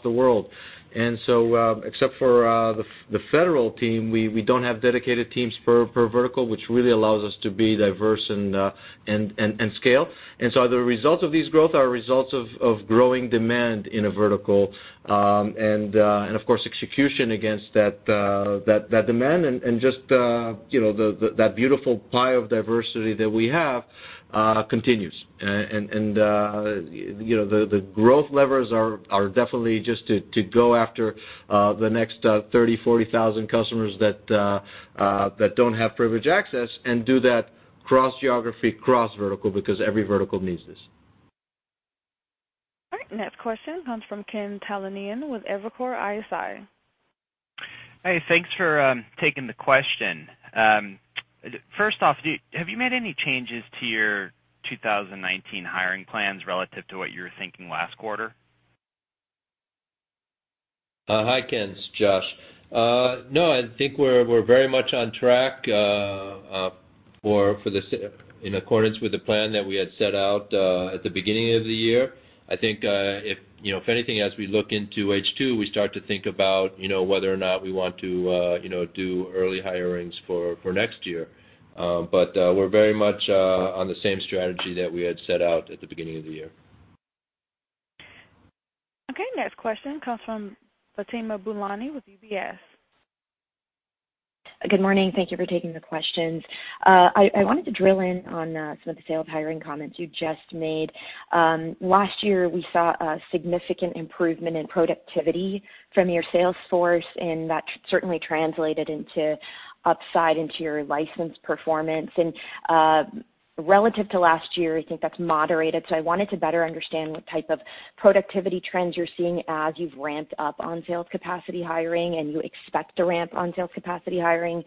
S3: the world. Except for the federal team, we don't have dedicated teams per vertical, which really allows us to be diverse and scale. The results of these growth are results of growing demand in a vertical, and of course, execution against that demand and just that beautiful pie of diversity that we have continues. The growth levers are definitely just to go after the next 30,000, 40,000 customers that don't have privileged access and do that cross-geography, cross-vertical, because every vertical needs this.
S1: All right. Next question comes from Ken Talanian with Evercore ISI.
S16: Hey, thanks for taking the question. First off, have you made any changes to your 2019 hiring plans relative to what you were thinking last quarter?
S4: Hi, Ken. It's Josh. No, I think we're very much on track in accordance with the plan that we had set out at the beginning of the year. I think, if anything, as we look into H2, we start to think about whether or not we want to do early hirings for next year. We're very much on the same strategy that we had set out at the beginning of the year.
S1: Okay, next question comes from Fatima Boolani with UBS.
S17: Good morning. Thank you for taking the questions. I wanted to drill in on some of the sales hiring comments you just made. Last year, we saw a significant improvement in productivity from your sales force, and that certainly translated into upside into your license performance. Relative to last year, I think that's moderated. So I wanted to better understand what type of productivity trends you're seeing as you've ramped up on sales capacity hiring and you expect to ramp on sales capacity hiring.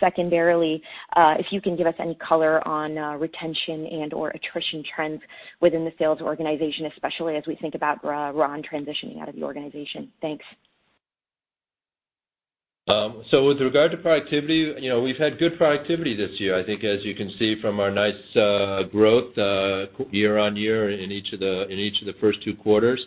S17: Secondarily, if you can give us any color on retention and/or attrition trends within the sales organization, especially as we think about Ron transitioning out of the organization. Thanks.
S4: With regard to productivity, we've had good productivity this year. I think as you can see from our nice growth year-on-year in each of the first two quarters.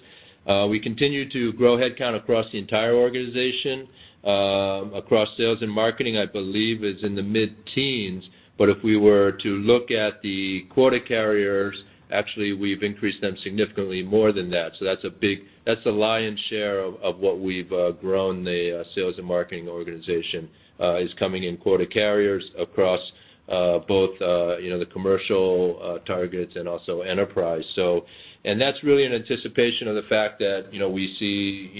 S4: We continue to grow headcount across the entire organization. Across sales and marketing, I believe is in the mid-teens. If we were to look at the quota carriers, actually, we've increased them significantly more than that. That's the lion's share of what we've grown the sales and marketing organization, is coming in quota carriers across both the commercial targets and also enterprise. That's really an anticipation of the fact that we see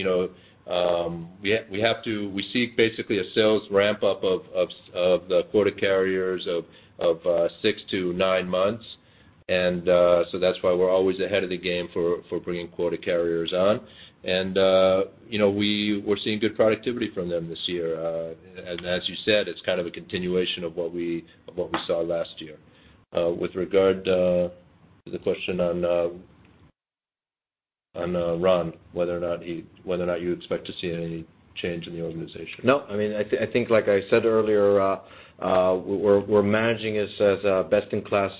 S4: basically a sales ramp-up of the quota carriers of six to nine months. That's why we're always ahead of the game for bringing quota carriers on. We're seeing good productivity from them this year. As you said, it's kind of a continuation of what we saw last year. With regard to the question on Ron, whether or not you expect to see any change in the organization.
S3: No, I think like I said earlier, we're managing this as a best-in-class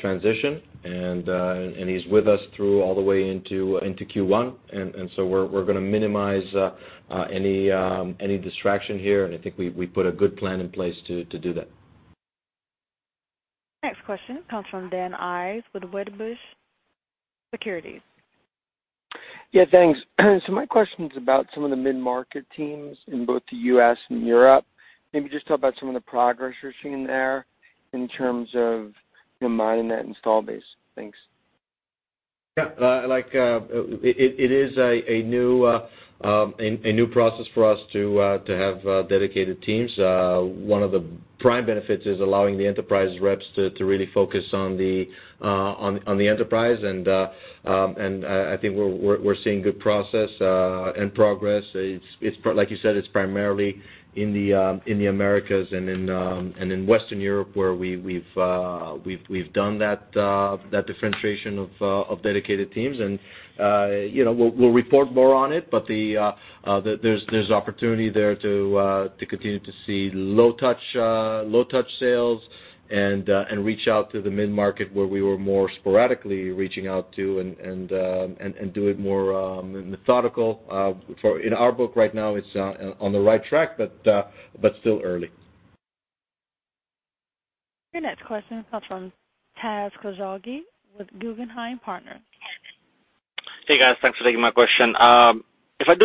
S3: transition, and he's with us through all the way into Q1. We're going to minimize any distraction here, and I think we put a good plan in place to do that.
S1: Next question comes from Dan Ives with Wedbush Securities.
S18: Yeah, thanks. My question's about some of the mid-market teams in both the U.S. and Europe. Maybe just talk about some of the progress you're seeing there in terms of mining that install base. Thanks.
S3: Yeah. It is a new process for us to have dedicated teams. One of the prime benefits is allowing the enterprise reps to really focus on the enterprise, and I think we're seeing good process and progress. Like you said, it's primarily in the Americas and in Western Europe where we've done that differentiation of dedicated teams, and we'll report more on it. There's opportunity there to continue to see low-touch sales and reach out to the mid-market where we were more sporadically reaching out to, and do it more methodical. In our book right now it's on the right track, but still early.
S1: Your next question comes from Taz Koujalgi with Guggenheim Partners.
S19: Hey, guys. Thanks for taking my question. If I'm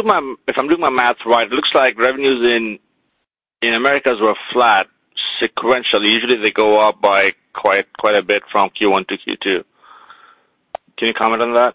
S19: doing my math right, it looks like revenues in Americas were flat sequentially. Usually, they go up by quite a bit from Q1 to Q2. Can you comment on that?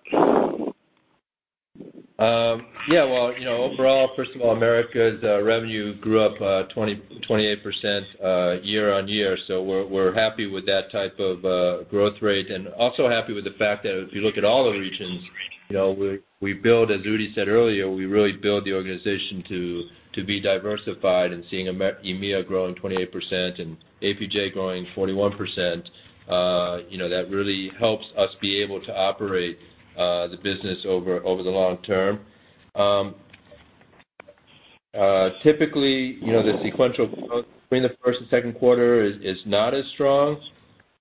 S4: Overall, first of all, Americas revenue grew up 28% year-on-year. We're happy with that type of growth rate. Also happy with the fact that if you look at all the regions, as Udi said earlier, we really build the organization to be diversified and seeing EMEA growing 28% and APJ growing 41%, that really helps us be able to operate the business over the long term. Typically, the sequential growth between the first and second quarter is not as strong.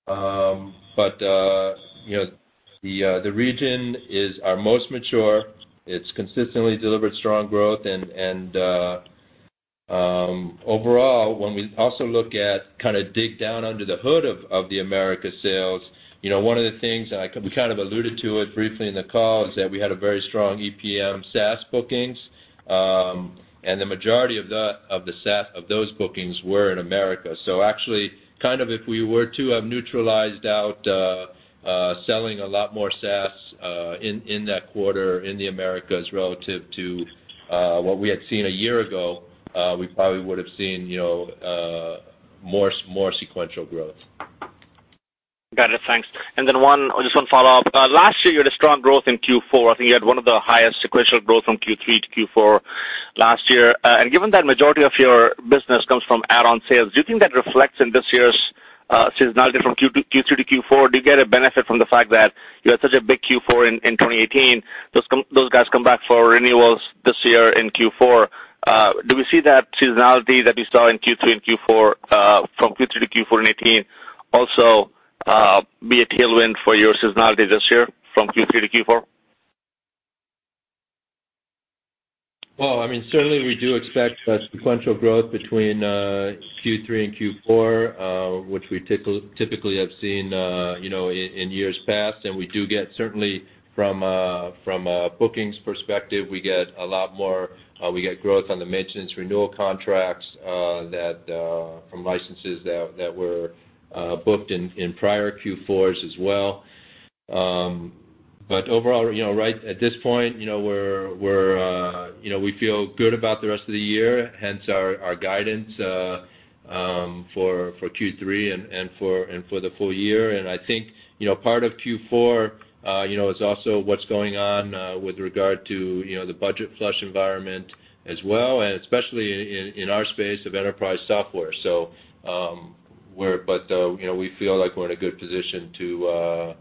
S4: The region is our most mature. It's consistently delivered strong growth. Overall, when we also look at, kind of dig down under the hood of the Americas sales, one of the things, and we kind of alluded to it briefly in the call, is that we had a very strong EPM SaaS bookings. The majority of those bookings were in Americas. Actually, if we were to have neutralized out selling a lot more SaaS in that quarter in the Americas relative to what we had seen a year ago, we probably would've seen more sequential growth.
S19: Got it. Thanks. Just one follow-up. Last year, you had a strong growth in Q4. I think you had one of the highest sequential growth from Q3 to Q4 last year. Given that majority of your business comes from add-on sales, do you think that reflects in this year's seasonality from Q3 to Q4? Do you get a benefit from the fact that you had such a big Q4 in 2018, those guys come back for renewals this year in Q4? Do we see that seasonality that we saw in Q3 and Q4, from Q3 to Q4 in 2018, also be a tailwind for your seasonality this year from Q3 to Q4?
S4: Well, certainly we do expect sequential growth between Q3 and Q4, which we typically have seen in years past. We do get, certainly from a bookings perspective, we get growth on the maintenance renewal contracts from licenses that were booked in prior Q4s as well. Overall, right at this point, we feel good about the rest of the year, hence our guidance for Q3 and for the full year. I think, part of Q4, is also what's going on with regard to the budget flush environment as well, and especially in our space of enterprise software. We feel like we're in a good position to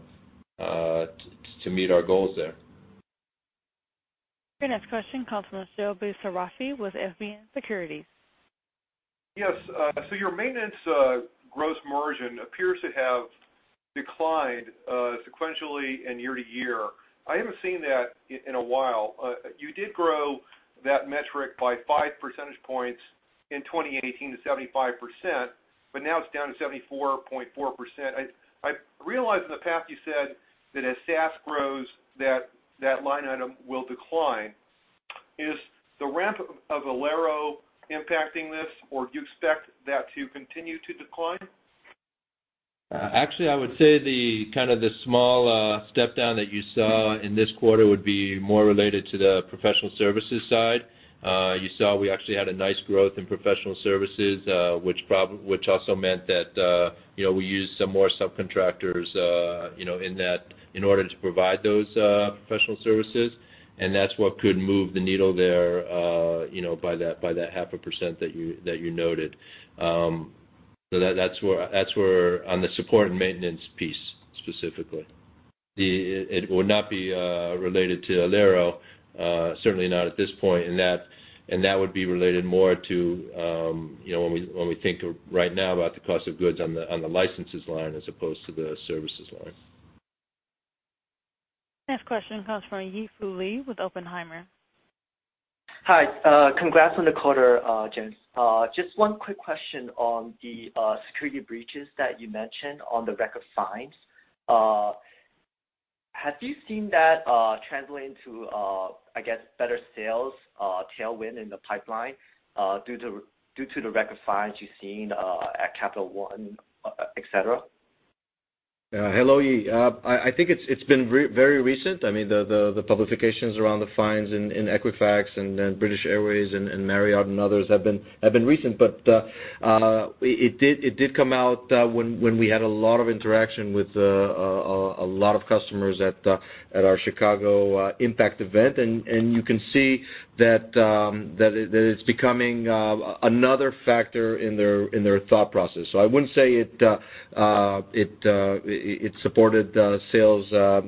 S4: meet our goals there.
S1: Your next question comes from Joe Bou-Sarraf with FBN Securities.
S20: Yes. Your maintenance gross margin appears to have declined sequentially and year to year. I haven't seen that in a while. You did grow that metric by five percentage points in 2018 to 75%, but now it's down to 74.4%. I realize in the past you said that as SaaS grows, that line item will decline. Is the ramp of Alero impacting this, or do you expect that to continue to decline?
S4: Actually, I would say the small step down that you saw in this quarter would be more related to the professional services side. You saw we actually had a nice growth in professional services, which also meant that we used some more subcontractors in order to provide those professional services, and that's what could move the needle there by that 0.5% that you noted. That's on the support and maintenance piece specifically. It would not be related to Alero, certainly not at this point. That would be related more to, when we think right now about the cost of goods on the licenses line as opposed to the services line.
S1: Next question comes from Yi Fu Lee with Oppenheimer.
S21: Hi. Congrats on the quarter, gents. Just one quick question on the security breaches that you mentioned on the record fines. Have you seen that translate into better sales tailwind in the pipeline due to the record fines you've seen at Capital One, et cetera?
S3: Hello, Yi. I think it's been very recent. The publications around the fines in Equifax and British Airways and Marriott and others have been recent. It did come out when we had a lot of interaction with a lot of customers at our CyberArk IMPACT event. You can see that it's becoming another factor in their thought process. I wouldn't say it supported sales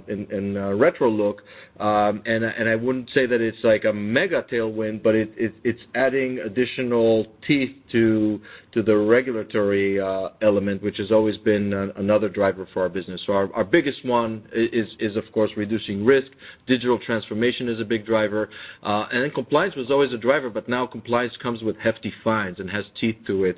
S3: in retro look, and I wouldn't say that it's like a mega tailwind, but it's adding additional teeth to the regulatory element, which has always been another driver for our business. Our biggest one is, of course, reducing risk. Digital transformation is a big driver. Compliance was always a driver, but now compliance comes with hefty fines and has teeth to it.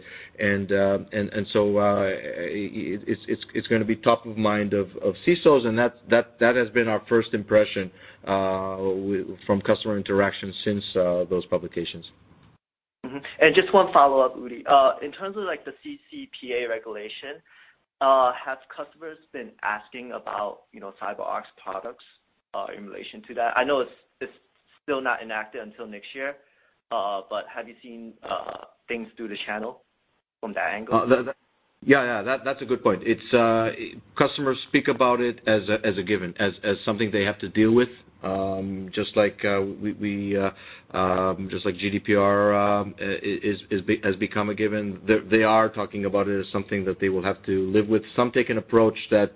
S3: It's going to be top of mind of CISOs, and that has been our first impression from customer interactions since those publications.
S21: Just one follow-up, Udi. In terms of the CCPA regulation, have customers been asking about CyberArk's products in relation to that? I know it's still not enacted until next year, have you seen things through the channel?
S3: From that angle? That's a good point. Customers speak about it as a given, as something they have to deal with. Just like GDPR has become a given. They are talking about it as something that they will have to live with. Some take an approach that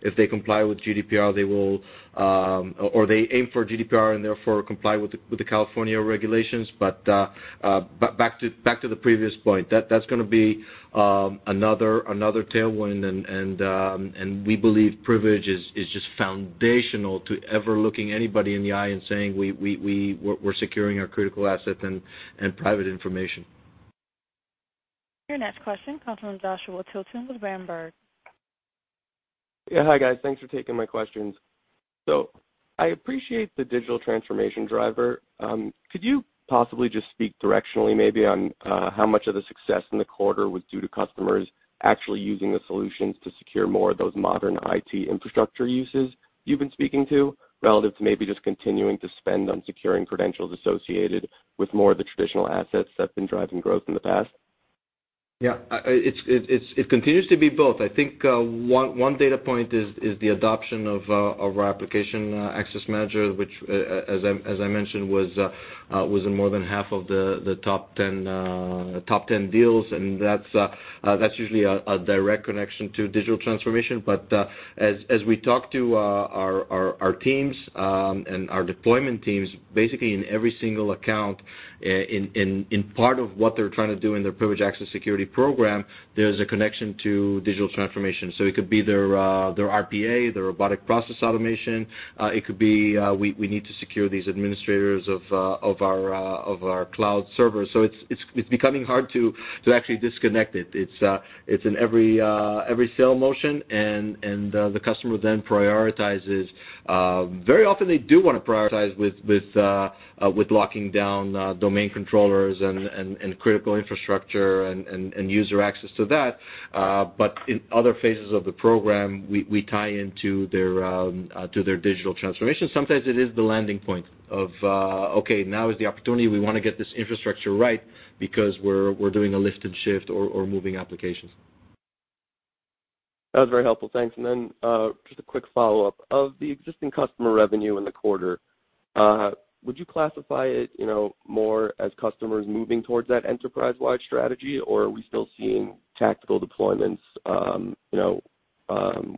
S3: if they comply with GDPR, they will or they aim for GDPR and therefore comply with the California regulations. Back to the previous point, that's going to be another tailwind, and we believe privilege is just foundational to ever looking anybody in the eye and saying, "We're securing our critical assets and private information.
S1: Your next question comes from Joshua Tilton with Berenberg.
S22: Yeah. Hi, guys. Thanks for taking my questions. I appreciate the digital transformation driver. Could you possibly just speak directionally maybe on how much of the success in the quarter was due to customers actually using the solutions to secure more of those modern IT infrastructure uses you've been speaking to, relative to maybe just continuing to spend on securing credentials associated with more of the traditional assets that's been driving growth in the past?
S3: It continues to be both. I think one data point is the adoption of our Application Access Manager, which, as I mentioned, was in more than half of the top 10 deals, and that's usually a direct connection to digital transformation. As we talk to our teams and our deployment teams, basically in every single account, in part of what they're trying to do in their privileged access security program, there's a connection to digital transformation. It could be their RPA, their robotic process automation. It could be we need to secure these administrators of our cloud server. It's becoming hard to actually disconnect it. It's in every sale motion, and the customer then prioritizes. Very often they do want to prioritize with locking down domain controllers and critical infrastructure and user access to that. In other phases of the program, we tie into their digital transformation. Sometimes it is the landing point of, okay, now is the opportunity. We want to get this infrastructure right because we're doing a lift and shift or moving applications.
S22: That was very helpful, thanks. Then, just a quick follow-up. Of the existing customer revenue in the quarter, would you classify it more as customers moving towards that enterprise-wide strategy, or are we still seeing tactical deployments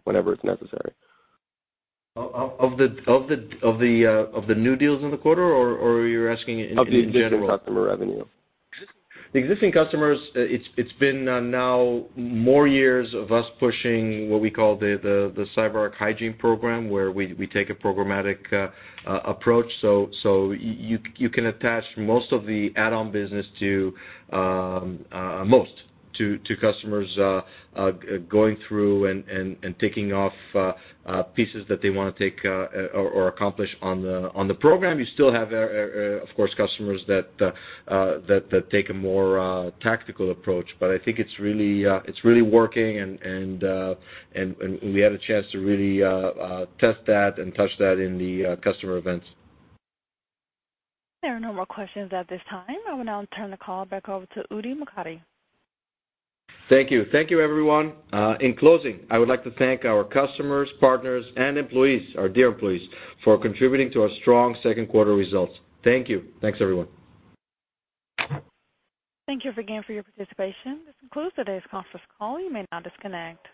S22: whenever it's necessary?
S3: Of the new deals in the quarter, or you're asking in general?
S22: Of the existing customer revenue.
S3: The existing customers, it's been now more years of us pushing what we call the CyberArk hygiene program, where we take a programmatic approach. You can attach most of the add-on business to most customers going through and ticking off pieces that they want to take or accomplish on the program. You still have, of course, customers that take a more tactical approach. I think it's really working, and we had a chance to really test that and touch that in the customer events.
S1: There are no more questions at this time. I will now turn the call back over to Udi Mokady.
S3: Thank you. Thank you, everyone. In closing, I would like to thank our customers, partners, and employees, our dear employees, for contributing to our strong second quarter results. Thank you. Thanks, everyone.
S1: Thank you again for your participation. This concludes today's conference call. You may now disconnect.